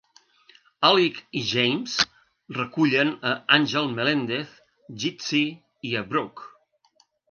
Alig i James recullen a Angel Melendez, Gitsie i Brooke.